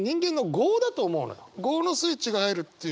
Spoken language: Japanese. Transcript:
業のスイッチが入るっていう。